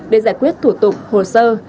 để giải quyết thủ tục hồ sơ